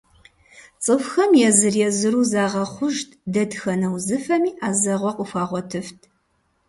Цӏыхухэм езыр-езыру загъэхъужт, дэтхэнэ узыфэми ӏэзэгъуэ къыхуагъуэтыфт.